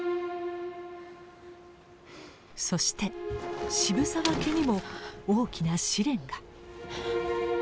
そして渋沢家にも大きな試練が。